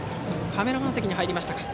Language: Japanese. カメラマン席に入りましたか。